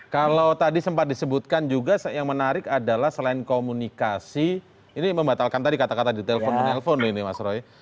kalau tadi sempat disebutkan juga yang menarik adalah selain komunikasi ini membatalkan tadi kata kata di telpon menelpon ini mas roy